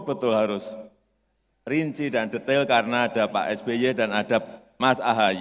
betul harus rinci dan detail karena ada pak sby dan ada mas ahaye